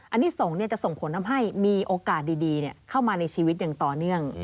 อันนี้ส่งจะส่งผลทำให้มีโอกาสดีเข้ามาในชีวิตอย่างต่อเนื่อง